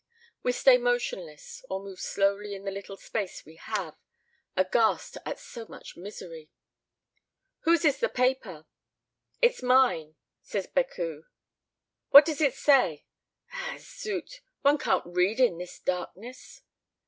We stay motionless, or move slowly in the little space we have, aghast at so much misery. "Whose is the paper?" "It's mine," says Becuwe. "What does it say? Ah, zut, one can't read in this darkness!"